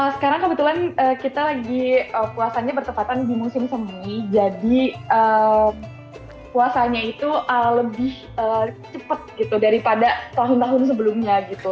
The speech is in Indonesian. sekarang kebetulan kita lagi puasanya bertepatan di musim semi jadi puasanya itu lebih cepat gitu daripada tahun tahun sebelumnya gitu